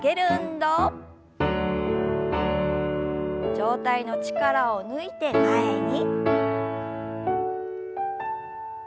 上体の力を抜いて前に。